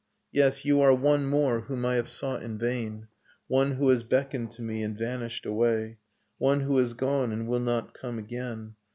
. Yes, you are one more whom I have sought in vain ; One who has beckoned to me and vanished away; One who has gone and will not come again.